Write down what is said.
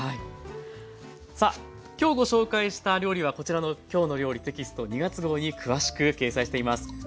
さあ今日ご紹介した料理はこちらの「きょうの料理」テキスト２月号に詳しく掲載しています。